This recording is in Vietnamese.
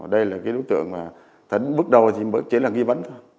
đây là cái đối tượng mà thần bước đầu thì chỉ là nghi vấn thôi